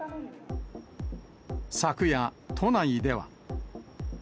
昨夜、都内では。